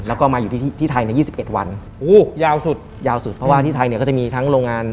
แล้วก็มาอยู่ที่ที่ไทยใน๒๑วันอู้ยาวสุดยาวสุดเพราะว่าที่ไทยเนี่ยก็จะมีทั้งโรงงาน